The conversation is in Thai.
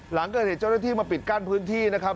หลังเกิดเหตุเจ้าหน้าที่มาปิดกั้นพื้นที่นะครับ